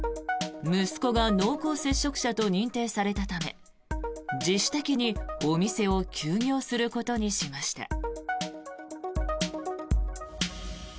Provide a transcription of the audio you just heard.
息子が濃厚接触者と認定されたため自主的にお店を休業することにしました。